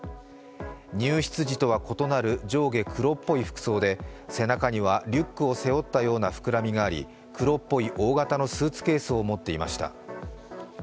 入室時とは異なる上下黒っぽい服装で背中にはリュックを背負ったような膨らみがあり、黒っぽい大型のスーツケースを持っていました。